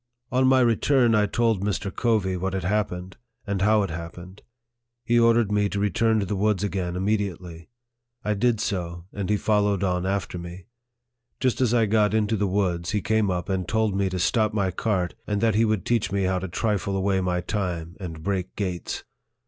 On my return, I told Mr. Covey what had happened, and how it hap pened. He ordered me to return to the woods again immediately. I did so, and he followed on after me. Just as I got into the woods, he came up and told me to stop my cart, and that he would teach me how to trifle away my time, and break gates.